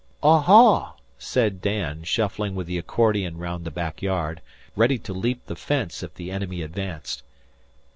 "Oho!" said Dan, shuffling with the accordion round the backyard, ready to leap the fence if the enemy advanced.